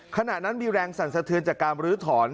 ขณะนั้นมีแรงสั่นสะเทือนจากการลื้อถอน